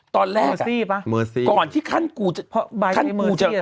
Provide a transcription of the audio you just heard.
ตอนแรกก่อนที่ขั้นกูจะออกอีก